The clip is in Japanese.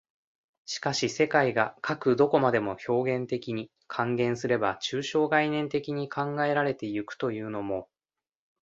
しかし世界がかく何処までも表現的に、換言すれば抽象概念的に考えられて行くというのも、